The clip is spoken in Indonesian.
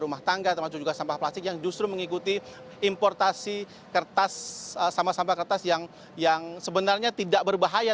rumah tangga termasuk juga sampah plastik yang justru mengikuti importasi kertas sampah sampah kertas yang sebenarnya tidak berbahaya